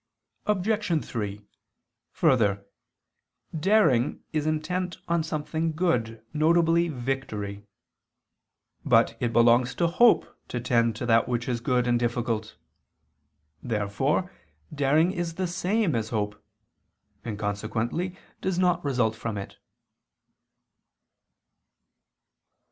Obj. 3: Further, daring is intent on something good, viz. victory. But it belongs to hope to tend to that which is good and difficult. Therefore daring is the same as hope; and consequently does not result from it.